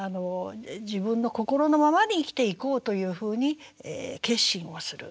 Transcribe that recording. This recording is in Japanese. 自分の心のままに生きていこうというふうに決心をする。